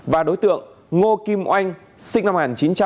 và đối tượng ngô kim oanh sinh năm một nghìn chín trăm bảy mươi ba